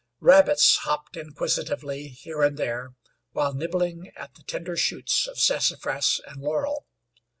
Rabbits hopped inquisitively here and there while nibbling at the tender shoots of sassafras and laurel.